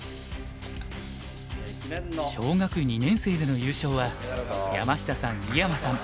小学２年生での優勝は山下さん井山さん